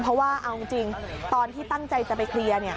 เพราะว่าเอาจริงตอนที่ตั้งใจจะไปเคลียร์